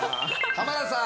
浜田さん！